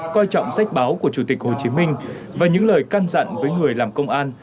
coi trọng sách báo của chủ tịch hồ chí minh và những lời can dặn với người làm công an